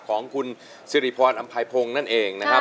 ของคุณสิริพรอำไพพงศ์นั่นเองนะครับ